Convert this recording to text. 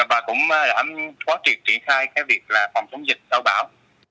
và cũng khó triệt triển khai cái việc là phòng chống dịch sau bão